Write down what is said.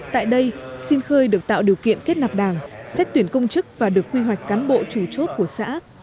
tại đây xin khơi được tạo điều kiện kết nạp đảng xét tuyển công chức và được quy hoạch cán bộ chủ chốt của xã